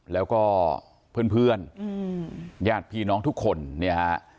แล้วก็เพื่อนเพื่อนอืมญาติพี่น้องทุกคนเนี่ยฮะ